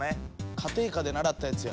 家庭科で習ったやつや。